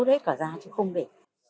rút hết cả ra chứ không để